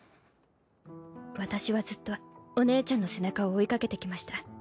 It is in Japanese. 私はずっとお姉ちゃんの背中を追いかけてきました。